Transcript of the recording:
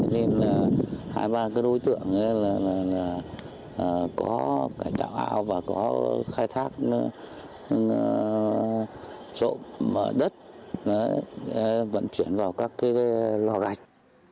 nên hai ba đối tượng có cải tạo ao và có khai thác trộm đất vận chuyển vào các lò gạch